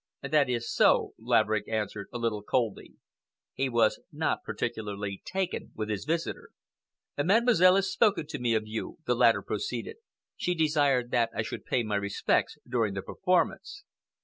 "That is so," Laverick answered, a little coldly. He was not particularly taken with his visitor. "Mademoiselle has spoken to me of you," the latter proceeded. "She desired that I should pay my respects during the performance."